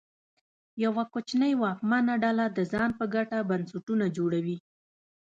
یوه کوچنۍ واکمنه ډله د ځان په ګټه بنسټونه جوړوي.